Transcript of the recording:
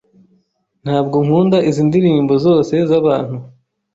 Ntabwo nkunda izi ndirimbo zose zabantu.